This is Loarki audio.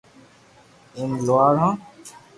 امي لوھار ھون